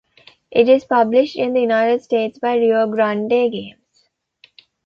It is published in the United States by Rio Grande Games.